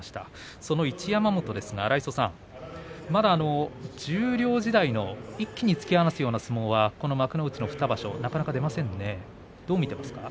その一山本ですが、荒磯さんまだ十両時代の一気に突き放すような相撲は、この幕内の２場所、なかなか出ませんね。